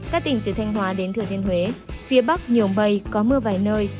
các tỉnh từ thanh hóa đến thừa thiên huế phía bắc nhiều mây có mưa vài nơi